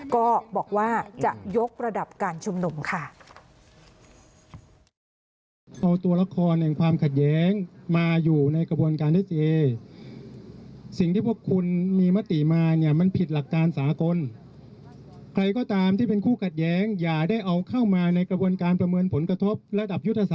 ก็บอกว่าจะยกระดับการชุมนุมค่ะ